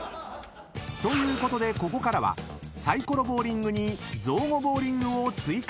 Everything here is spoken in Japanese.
［ということでここからはサイコロボウリングに造語ボウリングを追加］